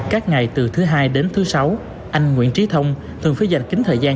các ngày từ thứ hai đến thứ sáu anh nguyễn trí thông thường phải dành kính thời gian